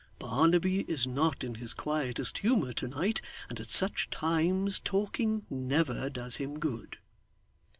Barnaby is not in his quietest humour to night, and at such times talking never does him good.